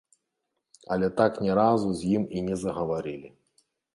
Але так ні разу з ім і не загаварылі.